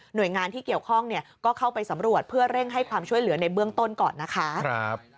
โดยงานที่เกี่ยวข้องเนี่ยก็เข้าไปสำรวจเพื่อเร่งให้ความช่วยเหลือในเบื้องต้นก่อนนะคะ